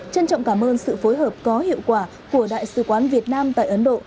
trân trọng cảm ơn sự phối hợp có hiệu quả của đại sứ quán việt nam tại ấn độ